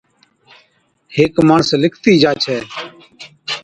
ھيڪ ماڻس لکتي جا ڇَي،